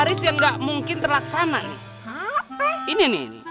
gue cuma parkir kali ya